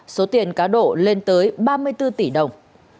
số tiền cá độ lên tới ba mươi bốn tỷ đồng